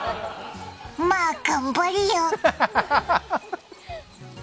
まあ頑張れよ。